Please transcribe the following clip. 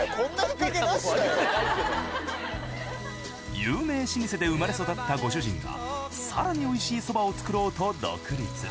有名老舗で生まれ育ったご主人が更においしいそばを作ろうと独立。